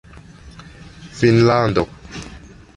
finnlando